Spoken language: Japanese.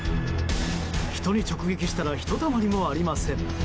人に直撃したらひとたまりもありません。